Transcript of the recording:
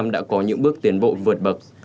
đã có những bước tiến bộ vượt bậc